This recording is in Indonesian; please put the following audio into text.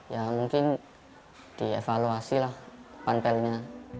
ya mungkin dievaluasi lah panpelnya